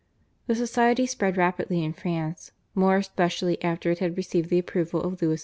The society spread rapidly in France, more especially after it had received the approval of Louis XV.